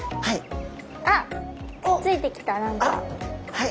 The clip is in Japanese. はい。